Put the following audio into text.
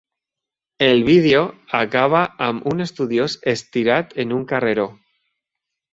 El vídeo acaba amb l'estudiós estirat en un carreró.